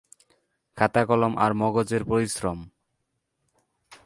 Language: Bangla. খাতা-কলম আর মগজের পরিশ্রম।